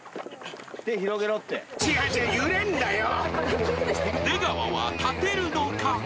違う違う揺れんだよ！